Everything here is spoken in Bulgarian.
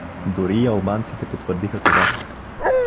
Дори и албанците потвърдиха това.